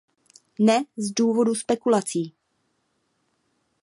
Ne z důvodu spekulací.